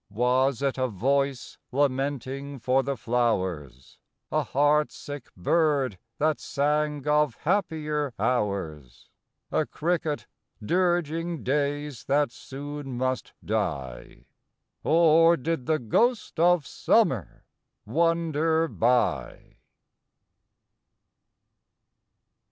Was it a voice lamenting for the flowers? A heart sick bird, that sang of happier hours? A cricket dirging days that soon must die? Or did the ghost of Summer wander by?